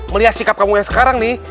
melihat sikap kamu yang sekarang nih